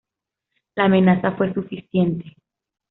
La amenaza fue suficiente.